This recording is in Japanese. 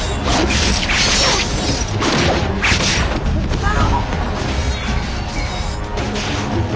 太郎！